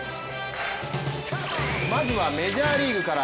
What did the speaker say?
まずはメジャーリーグから。